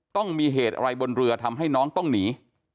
ต้องมีเหตุอะไรบนเรือทำให้น้องต้องหนี